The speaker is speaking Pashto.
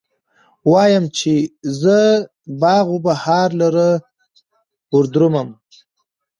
وايم، چې به زه باغ و بهار لره وردرومم